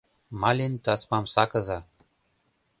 Малин тасмам сакыза.